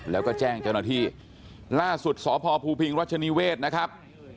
แล้วก็แจ้งจังหัวหน้าที่ล่าสุดสภภูพิงรัชนีเวทย์นะครับ